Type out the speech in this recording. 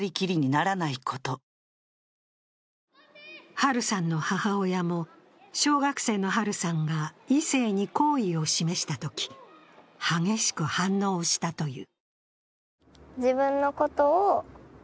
ハルさんの母親も、小学生のハルさんが異性に好意を示したとき、激しく反応したという。